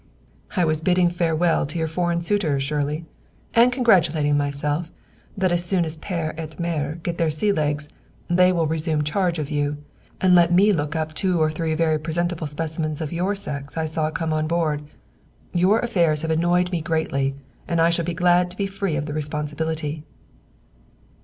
"I was bidding farewell to your foreign suitors, Shirley, and congratulating myself that as soon as père et mère get their sea legs they will resume charge of you, and let me look up two or three very presentable specimens of your sex I saw come on board. Your affairs have annoyed me greatly and I shall be glad to be free of the responsibility."